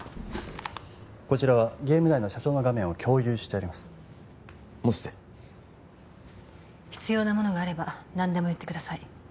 こちらはゲーム内の社長の画面を共有してあります持ってて必要なものがあれば何でも言ってください